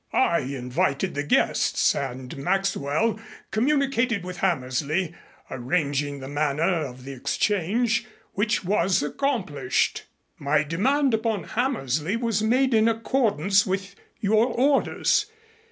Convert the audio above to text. I invited the guests and Maxwell communicated with Hammersley, arranging the manner of the exchange which was accomplished. My demand upon Hammersley was made in accordance with your orders.